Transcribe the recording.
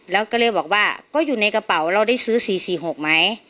แล้วก็เลยบอกว่าก็อยู่ในกระเป๋าเราได้ซื้อ๔๔๖ไหม